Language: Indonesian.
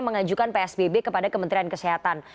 mengajukan psbb kepada kementerian kesehatan